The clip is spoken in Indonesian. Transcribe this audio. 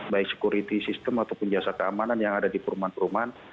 baik security system ataupun jasa keamanan yang ada di perumahan perumahan